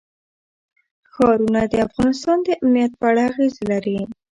ښارونه د افغانستان د امنیت په اړه اغېز لري.